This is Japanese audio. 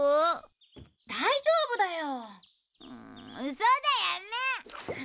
そうだよね！